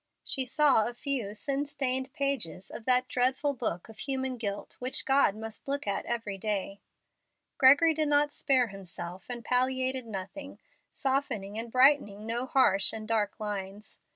She saw a few sin stained pages of that dreadful book of human guilt which God must look at every day. Gregory did not spare himself, and palliated nothing, softening and brightening no harsh and dark lines.